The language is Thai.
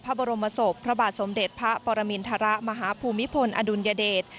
พระบรมศพพระบาทสมเด็จพระปรมินทรมาฮภูมิพลอดุลยเดช